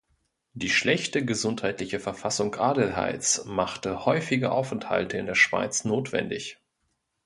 Die schlechte gesundheitliche Verfassung Adelheids machte häufige Aufenthalte in der Schweiz notwendig.